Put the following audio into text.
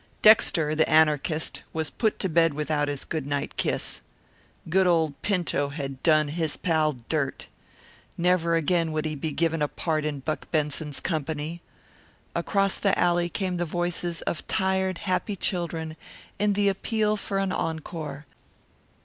Dexter, the anarchist, was put to bed without his goodnight kiss. Good old Pinto had done his pal dirt. Never again would he be given a part in Buck Benson's company. Across the alley came the voices of tired, happy children, in the appeal for an encore.